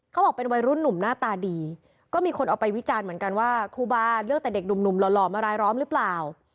เขาบอกเป็นวัยรุ่นหนุ่มหน้าตาดีก็มีคนเอาไปวิจารณ์เหมือนกันว่าครูบาเลือกแต่เด็กหนุ่มหล่อมารายล้อมหรือเปล่า